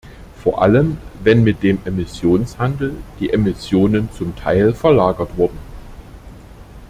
Vor allem, wenn mit dem Emissionshandel die Emissionen zum Teil verlagert wurden.